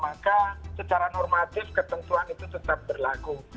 maka secara normatif ketentuan itu tetap berlaku